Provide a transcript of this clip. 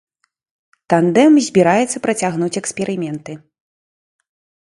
Тандэм збіраецца працягнуць эксперыменты.